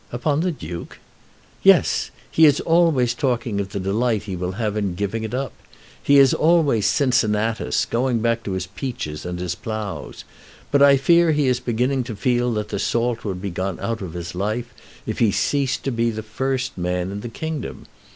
"Upon the Duke?" "Yes. He is always talking of the delight he will have in giving it up. He is always Cincinnatus, going back to his peaches and his ploughs. But I fear he is beginning to feel that the salt would be gone out of his life if he ceased to be the first man in the kingdom.